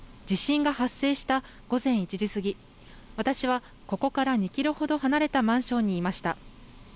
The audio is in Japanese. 地震が発生した午前１時過ぎ、私はここから２キロほど離れたマンションにいました。